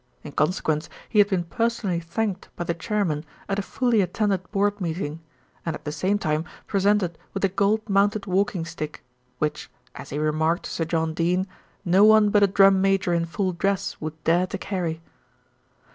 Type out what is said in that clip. In consequence he had been personally thanked by the Chairman at a fully attended Board Meeting, and at the same time presented with a gold mounted walking stick, which, as he remarked to Sir John Dene, no one but a drum major in full dress would dare to carry.